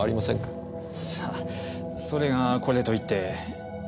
さあそれがこれといって。